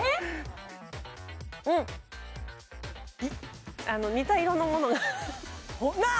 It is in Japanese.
うんあの似た色のものがなあ！